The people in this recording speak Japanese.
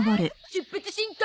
出発進行！